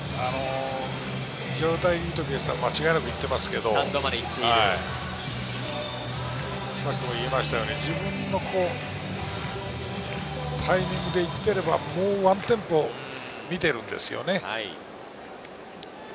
状態いい時は間違いなくいっていますけれど、さっきも言いましたように、自分のタイミングで行っていれば、もうワンテンポ見ているんですよね。